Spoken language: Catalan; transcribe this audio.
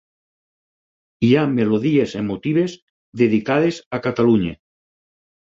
Hi ha melodies emotives dedicades a Catalunya.